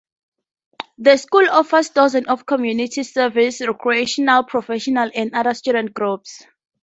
The school offers dozens of community service, recreational, professional, and other student groups.